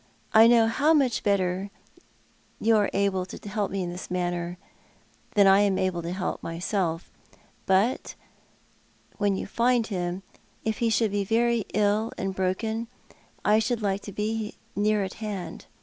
I know how much better able you are to help me in this matter than I am to help myself. But wheu you find him, if he should be very ill and broken, I should like to be near at hand.